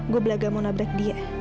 gue belajar mau nabrak dia